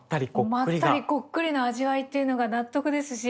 まったりこっくりな味わいというのが納得ですし。